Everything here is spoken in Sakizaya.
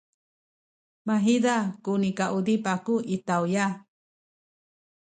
mahiza ku nikauzip aku i tawya.